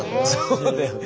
そうだよね。